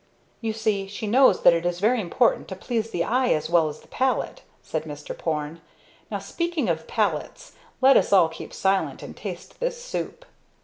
"You see she knows that it is very important to please the eye as well as the palate," said Mr. Porne. "Now speaking of palates, let us all keep silent and taste this soup."